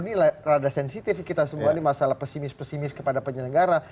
ini rada sensitif kita semua ini masalah pesimis pesimis kepada penyelenggara